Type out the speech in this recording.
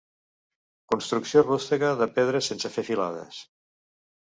Construcció rústega de pedres sense fer filades.